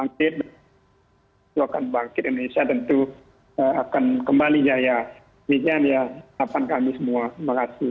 demikian ya terima kasih semua